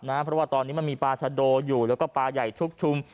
เพราะว่าตอนนี้มันมีปลาชะโดอยู่แล้วก็ปลาใหญ่ชุกชุม